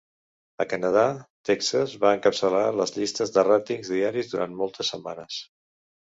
A Canadà, "Texas" va encapçalar les llistes de ràtings diaris durant moltes setmanes.